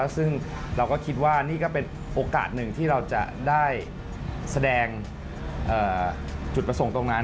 ซึ่งเราก็คิดว่านี่ก็เป็นโอกาสหนึ่งที่เราจะได้แสดงจุดประสงค์ตรงนั้น